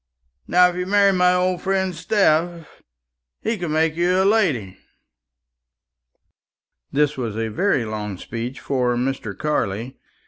Now, if you marry my old friend Steph, he can make you a lady." This was a very long speech for Mr. Carley.